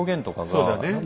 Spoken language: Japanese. そうだね。